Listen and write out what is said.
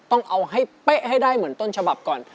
ต้องเอาให้เป๊ะให้ได้เหมือนต้นฉบับก่อน